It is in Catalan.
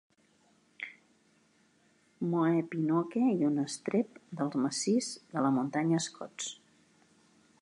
Mohepinoke i un estrep del massís de la muntanya Scotts.